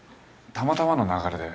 たまたまの流れで。